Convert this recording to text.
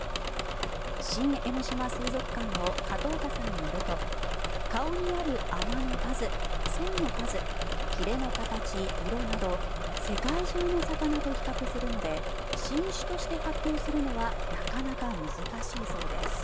新江ノ島水族館の加登岡さんによると顔にある穴の数、線の数ひれの形、色など世界中の魚と比較するので新種として発表するのはなかなか難しいそうです。